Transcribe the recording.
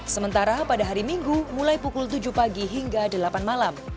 sementara pada hari minggu mulai pukul tujuh pagi hingga delapan malam